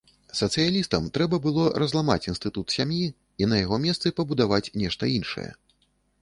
Сацыялістам трэба было разламаць інстытут сям'і і на яго месцы пабудаваць нешта іншае.